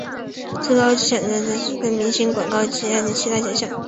最高荣誉奖项十大电视广告演员奖项明星奖项广告歌曲奖项其他奖项